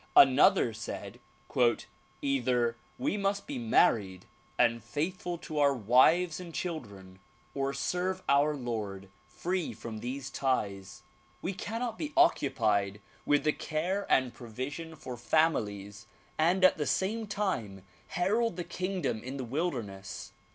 Another said "Either we must be married and faithful to our wives and children or serve our Lord free from these ties. We cannot be occupied with the care and provision for families and at the same time herald the kingdom in the wilder ness.